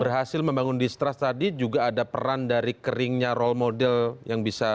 berhasil membangun distrust tadi juga ada peran dari keringnya role model yang bisa